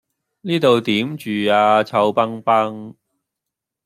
呢度點住呀臭崩崩